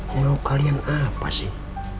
mau kalian apa sih